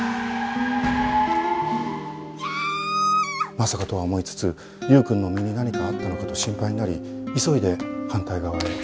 まさかとは思いつつ優くんの身に何かあったのかと心配になり急いで反対側へ近づいたんだと思います。